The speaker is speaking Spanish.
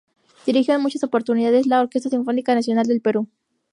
Dirigió en muchas oportunidades la Orquesta Sinfónica Nacional del Perú.